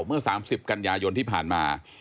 เมื่อ๓๐กันยายนที่ผ่านมา